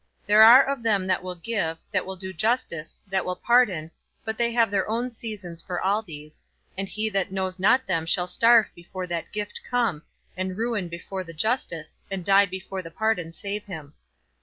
There are of them that will give, that will do justice, that will pardon, but they have their own seasons for all these, and he that knows not them shall starve before that gift come, and ruin before the justice, and die before the pardon save him.